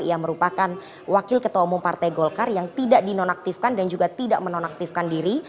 ia merupakan wakil ketua umum partai golkar yang tidak dinonaktifkan dan juga tidak menonaktifkan diri